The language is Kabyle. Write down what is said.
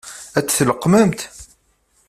Ad t-tleqqmemt?